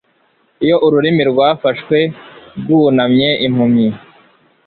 iyo ururimi rwafashwe rwunamye impumyi